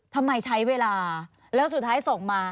ทำไมใช้เวลาแล้วสุดท้ายส่งมา